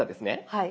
はい。